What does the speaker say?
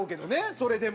それでも。